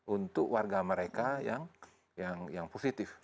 untuk warga mereka yang positif